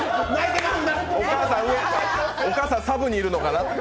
お母さん、サブにいるのかな。